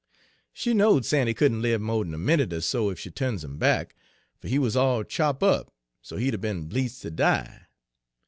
She knowed Sandy couldn' lib mo' d'n a minute er so ef she turns him back, fer he wuz all chop' up so he 'd 'a' be'n bleedst ter die.